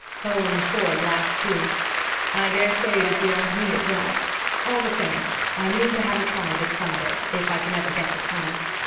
Owen Ford laughed too. "I dare say it is beyond me as well. All the same I mean to have a try at it some day, if I can ever get time.